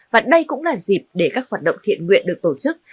và đây cũng là dịp để các hoạt động thiện nguyện được tổ chức